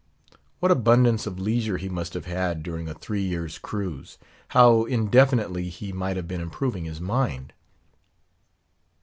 What abundance of leisure he must have had, during a three years' cruise; how indefinitely he might have been improving his mind!